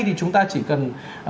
thì chúng ta chỉ cần